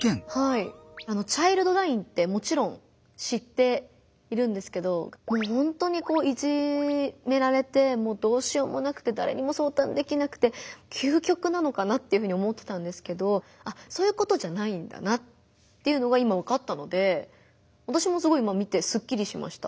チャイルドラインってもちろん知っているんですけどもう本当にいじめられてもうどうしようもなくてだれにも相談できなくて究極なのかなって思ってたんですけどそういうことじゃないんだなっていうのが今わかったので私もすごい今見てすっきりしました。